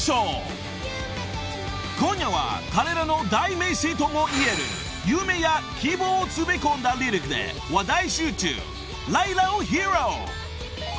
［今夜は彼らの代名詞とも言える夢や希望を詰め込んだリリックで話題集中］